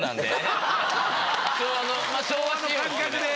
昭和の感覚で。